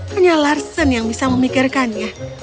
hanya larsen yang bisa memikirkannya